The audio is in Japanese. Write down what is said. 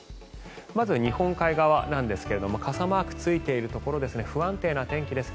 まず日本海側なんですが傘マークついているところ不安定な天気です。